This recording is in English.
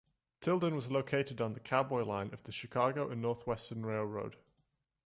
Tilden was located on the Cowboy Line of the Chicago and Northwestern Railroad.